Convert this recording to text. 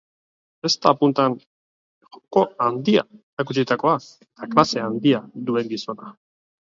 Zesta-puntan joko handia erakutsitakoa, eta klase handia duen gizona.